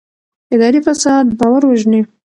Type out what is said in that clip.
اداري فساد باور وژني